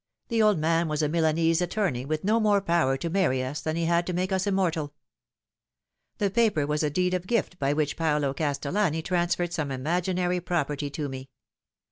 The old man was a Milanese attorney, with no more power to marry us than he bad to make us immortal. The paper was a deed of gif t by forhich Paolo Castellani transferred some imaginary property to me.